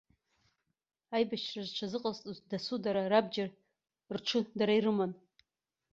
Аибашьра зҽазыҟазҵоз дасу дара рабџьар, рҽы дара ирыман.